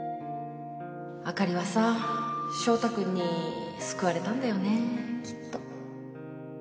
あかりはさ翔太君に救われたんだよねきっと